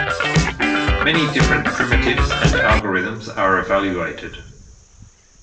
Many different primitives and algorithms are evaluated.